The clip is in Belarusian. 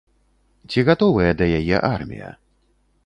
Ці гатовая да яе армія?